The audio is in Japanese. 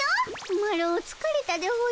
マロつかれたでおじゃる。